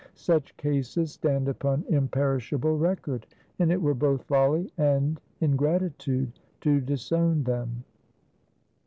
Such cases stand upon imperishable record, and it were both folly and ingratitude to disown them.